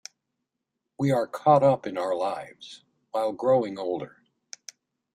We are caught up in our lives while growing older.